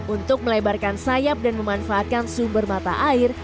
untuk melebarkan sayap dan memanfaatkan sumber mata air